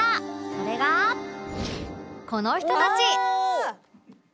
それがこの人たち